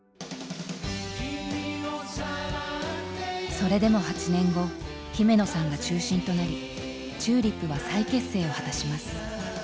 それでも８年後姫野さんが中心となりＴＵＬＩＰは再結成を果たします。